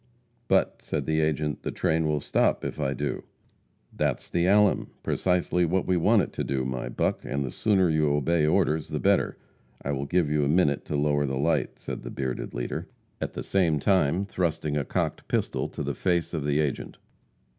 "But," said the agent, "the train will stop if I do." "That's the alum! precisely what we want it to do, my buck, and the sooner you obey orders the better. I will give you a minute to lower the light," said the bearded leader, at the same time thrusting a cocked pistol to the face of the agent.